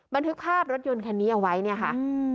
บันทึกภาพรถยนต์คันนี้เอาไว้เนี่ยค่ะ